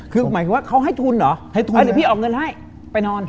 คือหมายถึงว่าเขาให้ทุนเหรอให้ทุนเดี๋ยวพี่ออกเงินให้ไปนอน